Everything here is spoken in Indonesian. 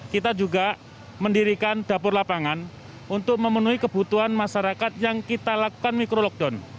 kita juga mendirikan dapur lapangan untuk memenuhi kebutuhan masyarakat yang kita lakukan micro lockdown